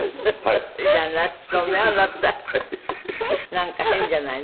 なんか変じゃないの？